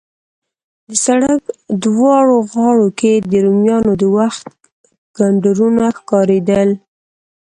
د سړک دواړو غاړو کې د رومیانو د وخت کنډرونه ښکارېدل.